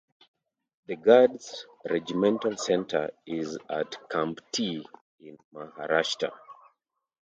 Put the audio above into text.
The Guards Regimental Centre is at Kamptee in Maharashtra.